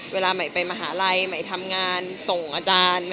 เวลาใหม่ไปมหาลัยใหม่ทำงานส่งอาจารย์